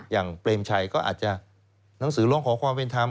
เปรมชัยก็อาจจะหนังสือร้องขอความเป็นธรรม